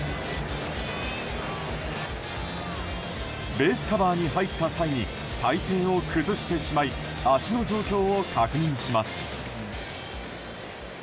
ベースカバーに入った際に体勢を崩してしまい足の状況を確認します。